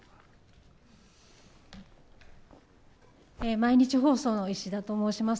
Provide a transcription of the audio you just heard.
毎日放送のいしだと申します。